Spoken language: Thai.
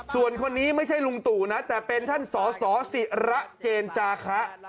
ส่วนคนนี้ไม่ใช่ลุงตู่นะแต่เป็นท่านสสิระเจนจาคะ